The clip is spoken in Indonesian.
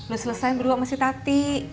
lu selesain berdua sama si tati